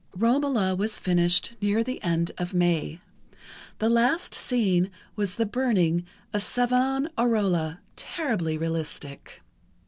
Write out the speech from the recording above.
"Romola" was finished near the end of May. The last scene was the burning of Savonarola, terribly realistic.